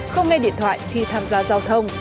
không nghe điện thoại khi tham gia giao thông